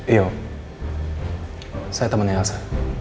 iya saya temannya elsa